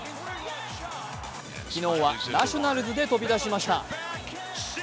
昨日はナショナルズで飛び出しました。